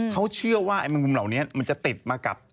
เพราะว่าแมงมุมเหล่านี้มันจะติดมากับ